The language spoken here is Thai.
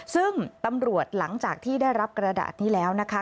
ซึ่งตำรวจหลังจากที่ได้รับกระดาษนี้แล้วนะคะ